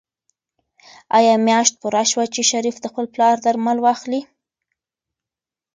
آیا میاشت پوره شوه چې شریف د خپل پلار درمل واخلي؟